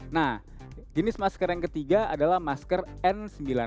nah jenis masker yang ketiga adalah masker n sembilan puluh delapan